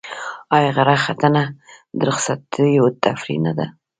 آیا غره ختنه د رخصتیو تفریح نه ده؟